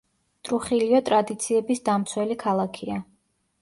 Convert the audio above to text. ტრუხილიო ტრადიციების დამცველი ქალაქია.